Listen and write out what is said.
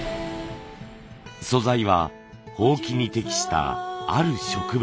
素材は箒に適したある植物。